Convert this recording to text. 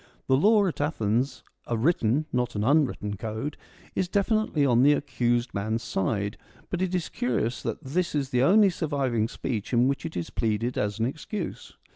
The law, at Athens a written, not an unwritten code, is definitely on the accused man's side ; but it is curious that this is the only surviving speech in which it is pleaded as an excuse.